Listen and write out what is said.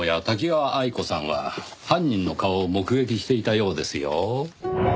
多岐川愛子さんは犯人の顔を目撃していたようですよ。